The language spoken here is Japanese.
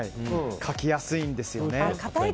書きやすいんですよね。